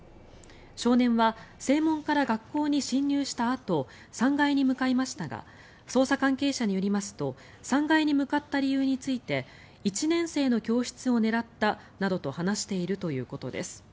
少年は正門から学校に侵入したあと３階に向かいましたが捜査関係者によりますと３階に向かった理由について１年生の教室を狙ったなどと話しているということです。